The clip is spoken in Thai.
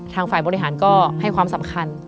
ทางฝ่ายบริหารก็ให้ความสำคัญ